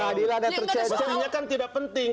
maksudnya kan tidak penting